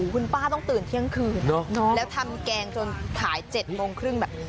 คุณป้าต้องตื่นเที่ยงคืนแล้วทำแกงจนขาย๗โมงครึ่งแบบ